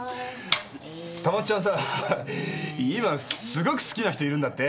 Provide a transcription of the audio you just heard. たもっちゃんさ今すごく好きな人いるんだって？